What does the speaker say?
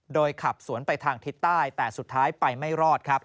โดยขับสวนไปทางทิศใต้แต่สุดท้ายไปไม่รอดครับ